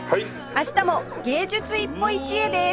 明日も芸術一歩一会です